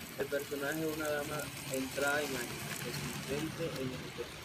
El personaje es una dama entrada en años, residente en St.